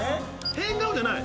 変顔じゃない？